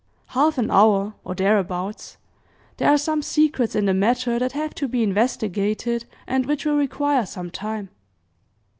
"Half an hour, or thereabouts. There are some secrets in the matter that have to be investigated, and which will require some time."